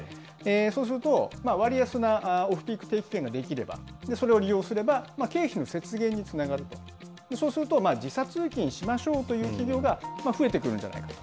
そうすると割安なオフピーク定期券が出来れば、それを利用すれば、経費の節減につながると、そうすると時差通勤しようという企業が増えてくるんじゃないかと。